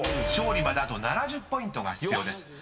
［勝利まであと７０ポイントが必要です］